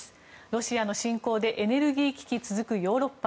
ロシアの侵攻でエネルギー危機続くヨーロッパ。